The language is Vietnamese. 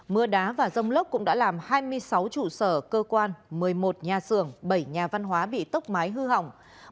mưa đá và rông lốc cũng đã làm hai mươi sáu trụ sở cơ quan một mươi một nhà xưởng bảy nhà văn hóa bị tốc mái hư hỏng